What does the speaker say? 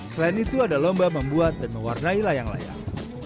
selain itu ada lomba membuat dan mewarnai layang layang